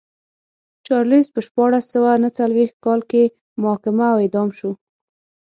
چارلېز په شپاړس سوه نه څلوېښت کال کې محاکمه او اعدام شو.